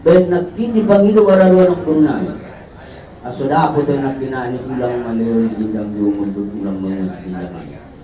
ben nakti di banginu waranuan akdum nama asodakut yang nakinani ulang maleru di damdum undur ulang manusia